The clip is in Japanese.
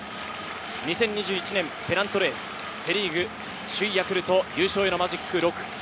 ２０２１年ペナントレース、セ・リーグ首位ヤクルト、優勝へのマジック６。